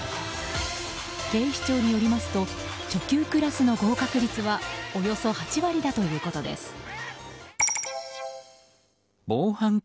警視庁によりますと初級クラスの合格率はおよそ８割だということです。